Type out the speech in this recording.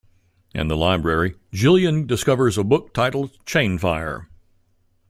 In the library, Jillian discovers a book titled Chainfire.